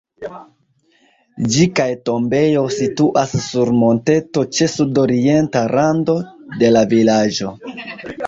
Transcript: Ĝi kaj tombejo situas sur monteto ĉe sudorienta rando de la vilaĝo.